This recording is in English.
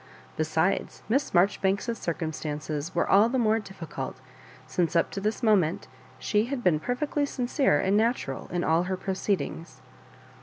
Besides, Miss Marjoribanks's circumstances were all the more difficult, since up to this moment she had been perfectly sincere and natural in all her proceed ings.